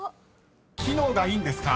［機能がいいんですか？］